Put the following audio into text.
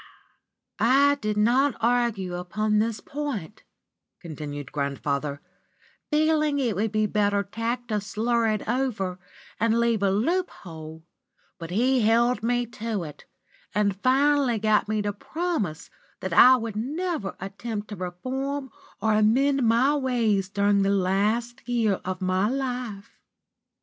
"I did not argue upon this point," continued grandfather, "feeling it would be better tact to slur it over, and leave a loop hole, but he held me to it, and finally got me to promise that I would never attempt to reform or amend my ways during the last year of my life.